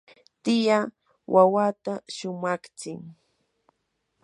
tiyaa wawata shumaqtsin.